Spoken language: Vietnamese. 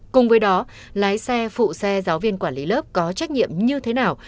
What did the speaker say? cùng với đó lái xe phụ xe giáo viên quản lý lớp có trách nhiệm như thế nào